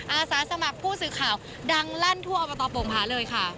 อาสาสมัครผู้ศึกข่าวดังลั่นทั่วเอามาตอบบมหาเลยค่ะ